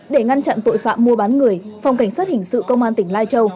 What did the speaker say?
để ngăn chặn tội phạm mua bán người phòng cảnh sát hình sự công an tỉnh lai châu